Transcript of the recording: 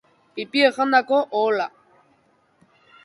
Pipiek jandako ohola.